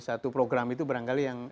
satu program itu barangkali yang